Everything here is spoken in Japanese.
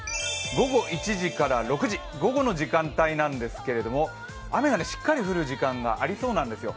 午後１時から６時午後の時間帯なんですけれども雨がしっかり降る時間がありそうなんですよ。